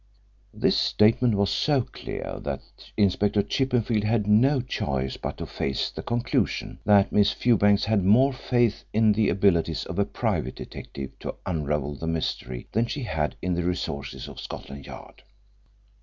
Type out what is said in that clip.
This statement was so clear that Inspector Chippenfield had no choice but to face the conclusion that Miss Fewbanks had more faith in the abilities of a private detective to unravel the mystery than she had in the resources of Scotland Yard.